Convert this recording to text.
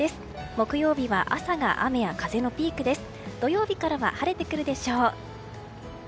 木曜日は朝が雨や風のピークです。